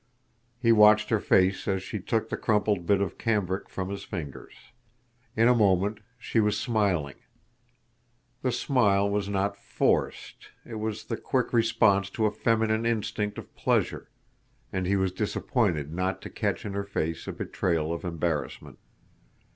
He watched her face as she took the crumpled bit of cambric from his fingers. In a moment she was smiling. The smile was not forced. It was the quick response to a feminine instinct of pleasure, and he was disappointed not to catch in her face a betrayal of embarrassment.